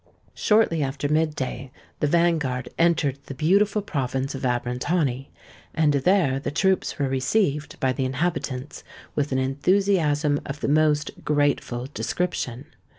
Shortly after mid day the van guard entered the beautiful province of Abrantani; and there the troops were received by the inhabitants with an enthusiasm of the most grateful description.